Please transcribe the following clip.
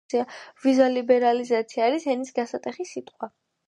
ვიზალიბერალიზაცია არის ენის გასატეხი სიტყვა.